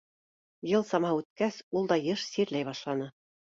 Йыл самаһы үткәс, ул да йыш сирләй башланы.